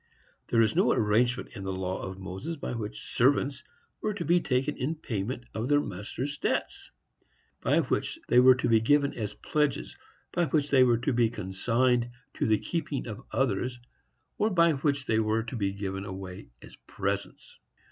There is no arrangement in the law of Moses by which servants were to be taken in payment of their master's debts, by which they were to be given as pledges, by which they were to be consigned to the keeping of others, or by which they were to be given away as presents.